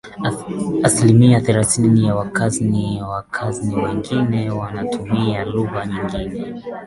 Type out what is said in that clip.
asilimia themanini ya wakazi Wakazi wengine wanatumia lugha nyingine